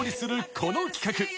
この企画。